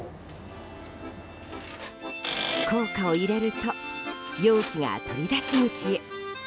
硬貨を入れると容器が取り出し口へ。